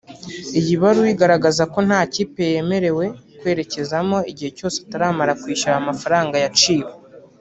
iyi baruwa igaragaza ko nta kipe yemerewe kwerekezamo igihe cyose ataramara kwishyura ayo mafaranga yaciwe